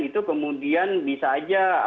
itu kemudian bisa aja